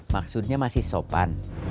maksudnya masih sopan